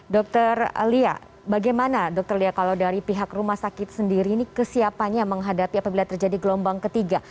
dr lia bagaimana dokter lia kalau dari pihak rumah sakit sendiri ini kesiapannya menghadapi apabila terjadi gelombang ketiga